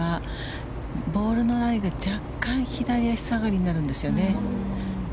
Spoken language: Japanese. ボールのライが若干左足下がりになるんですよね。